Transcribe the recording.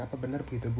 apa benar begitu ibu